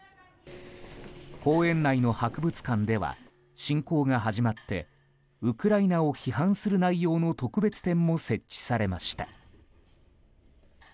公園内の博物館では侵攻が始まってウクライナを非難する内容の特別展も設置されました。